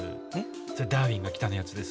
それ「ダーウィンが来た！」のやつです